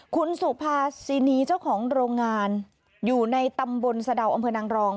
คุณสุภาษีนีเจ้าของโรงงานอยู่ในตำบลสะดาวอำเภอนางรอง